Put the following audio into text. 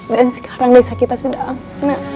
dan sekarang desa kita sudah amat